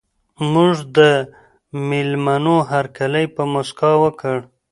موږ د مېلمنو هرکلی په مسکا وکړ.